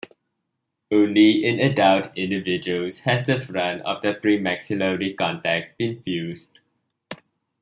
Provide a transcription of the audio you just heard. Only in adult individuals has the front of the premaxillary contact been fused.